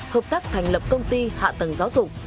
hợp tác thành lập công ty hạ tầng giáo dục